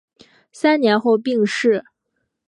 三年后病逝。